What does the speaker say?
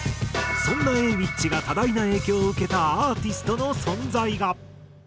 そんなＡｗｉｃｈが多大な影響を受けたアーティストの存在が。